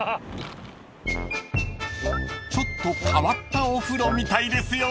［ちょっと変わったお風呂みたいですよ］